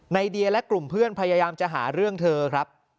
เดียและกลุ่มเพื่อนพยายามจะหาเรื่องเธอครับ